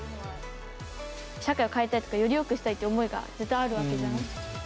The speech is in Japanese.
社会を変えたいとかよりよくしたいっていう思いが絶対あるわけじゃない？